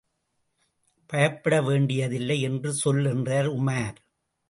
பயப்பட வேண்டியதில்லை என்று சொல் என்றார் உமார்.